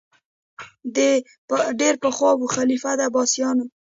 ډېر پخوا وو خلیفه د عباسیانو